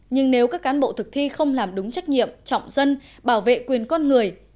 nhưng nếu các cán bộ thực thi không làm đúng trách nhiệm trọng dân bảo vệ quyền con người